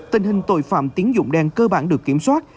tình hình tội phạm tín dụng đen cơ bản được kiểm soát